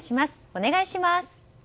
お願いします。